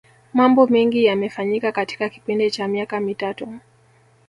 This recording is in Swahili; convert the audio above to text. mambo mengi yamefanyika katika kipindi cha miaka mitatu